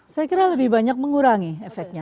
saya kira lebih banyak mengurangi efeknya